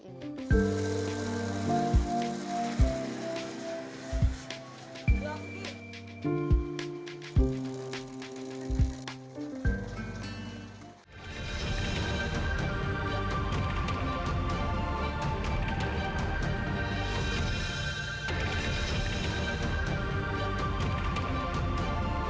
inilah dunia itu